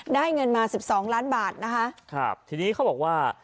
เงินมาสิบสองล้านบาทนะคะครับทีนี้เขาบอกว่า